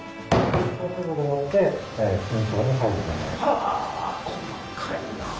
はあ細かいなあ。